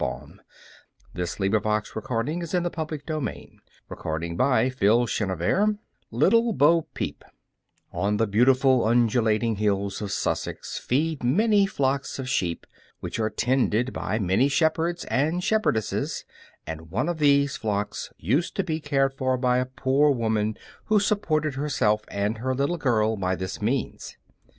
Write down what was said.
But Hickory and Dickory and Dock did not run away again. [Illustration: Little Bo Peep] Little Bo Peep On the beautiful, undulating hills of Sussex feed many flocks of sheep, which are tended by many shepherds and shepherdesses, and one of these flocks used to be cared for by a poor woman who supported herself and her little girl by this means.